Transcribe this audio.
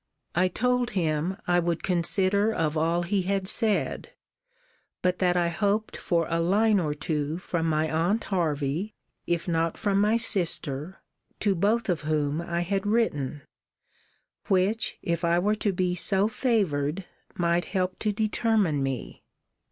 I told him, I would consider of all he had said: but that I hoped for a line or two from my aunt Hervey, if not from my sister, to both of whom I had written, which, if I were to be so favoured, might help to determine me.